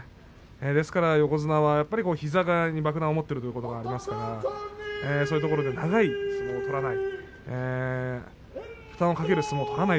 ですから横綱は膝に爆弾を持っているということがありますから負担をかける相撲を取らない。